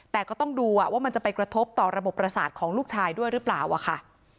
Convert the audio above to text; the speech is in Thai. แต่ก็ต้องดูว่ามันจะไปกระทบต่อระบบประสาทของลูกชายด้วยหรือเปล่าค่ะ